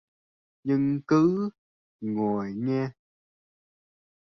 nhưng cứ ngồi nghe